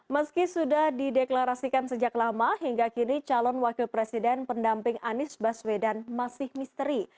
meski sudah dideklarasikan sejak lama hingga kini calon wakil presiden pendamping anies baswedan masih misteri